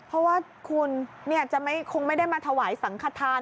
เพราะว่าคุณจะคงไม่ได้มาถวายสังขทาน